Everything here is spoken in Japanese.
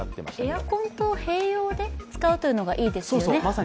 エアコンと併用で使うというのがいいですよね。